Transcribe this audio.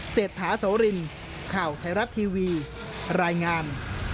เศษฐาเสาหรินข่าวไทยรัตน์ทีวีรายงาน